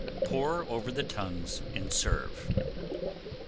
Pour over the tongues and serve.